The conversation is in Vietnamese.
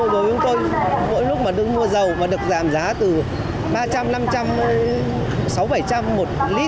với chúng tôi mỗi lúc mà đứng mua dầu và được giảm giá từ ba trăm linh năm trăm linh sáu trăm linh bảy trăm linh một lít